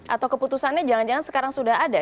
atau keputusannya jangan jangan sekarang sudah ada